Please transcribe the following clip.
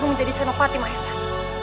saya sudah menjadi senopati maesah